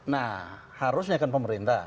nah harusnya kan pemerintah